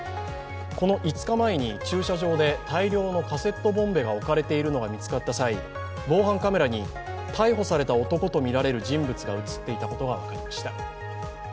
この５日前に駐車場で大量のカセットボンベが置かれているのが見つかった際、防犯カメラに逮捕された男とみられる人物が映っていたことが分かりました。